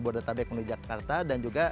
board data bank menuju jakarta dan juga